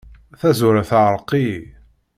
Tazwara teεreq-iyi.